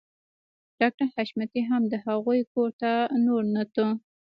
ډاکټر حشمتي هم د هغوی کور ته نور نه ته